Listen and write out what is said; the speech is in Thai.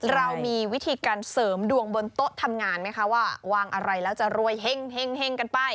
เรามีวิธีการเสริมดวงบนโต๊ะทำงานไหมคะว่าวางอะไรแล้วจะรวยเฮ่งกันไป